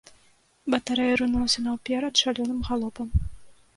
Батарэя рынулася наўперад шалёным галопам.